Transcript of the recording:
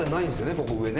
ここ上ね